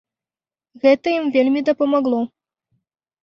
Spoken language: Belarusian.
Гэта ім вельмі дапамагло.